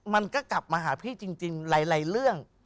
มันก็กลับมาหาพี่จริงหลายเรื่อง